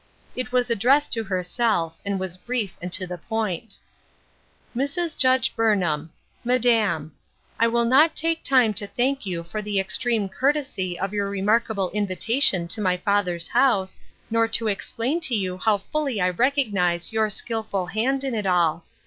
It was addressed to herself, and was brief and to the point :— Mrs. Judge Burnham: Madam : I will not take time to thank you for the extreme courtesy of your remarkable invitation to my father's house, nor to explain to you how fully I recognize your skillful hand in it all.